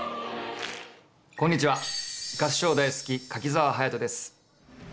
こんにちは合唱大好き柿澤勇人です。